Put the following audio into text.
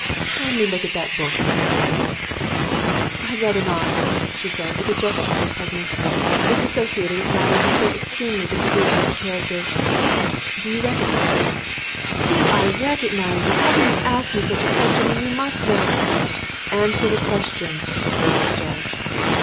"Kindly look at that book, Mrs. Hornby." "I'd rather not," said she, with a gesture of repugnance. "It is associated with matters of so extremely disagreeable a character " "Do you recognise it?" "Do I recognise it! How can you ask me such a question when you must know " "Answer the question," interposed the judge.